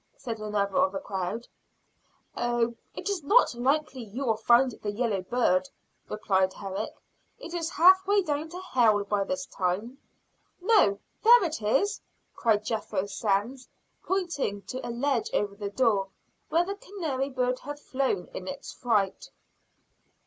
said another of the crowd. "Oh, it's not likely you will find the yellow bird," replied Herrick. "It is halfway down to hell by this time." "No, there it is!" cried Jethro Sands, pointing to a ledge over the door, where the canary bird had flown in its fright.